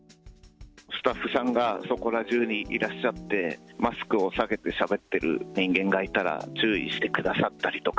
スタッフさんがそこら中にいらっしゃって、マスクを下げてしゃべっている人間がいたら、注意してくださったりとか。